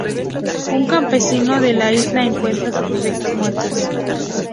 Un campesino de la isla encuentra sus ovejas muertas.